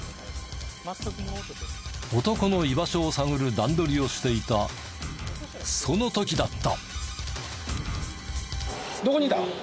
男の居場所を探る段取りをしていたその時だった。